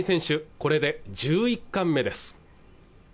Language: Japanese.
これで１１冠目です